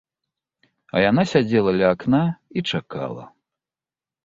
А яна сядзела ля акна і чакала.